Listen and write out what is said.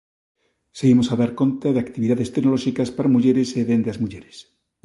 Seguimos a dar conta de actividades tecnolóxicas para mulleres e dende as mulleres.